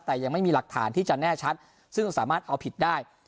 แต่ยังไม่มีหลักฐานที่จะแน่ชัดซึ่งสามารถเอาผิดได้